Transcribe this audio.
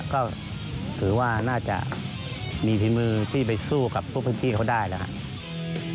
ก็ถือว่าน่าจะมีฝีมือที่ไปสู้กับพวกพื้นที่เขาได้แล้วครับ